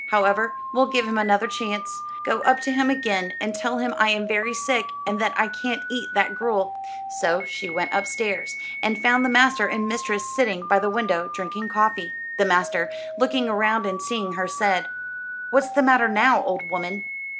However, we'll give him another chance. Go up to him again, and tell him I am very sick, and that I can't eat that gruel." So she went upstairs, and found the master and mistress sitting by the window, drinking coffee. The master, looking around and seeing her, said: "What's the matter now, old woman?"